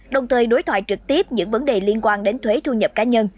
đồng thời đối thoại trực tiếp những vấn đề liên quan đến thuế thu nhập cá nhân